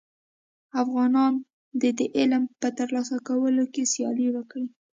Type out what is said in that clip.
افغانان دي د علم په تر لاسه کولو کي سیالي وکړي.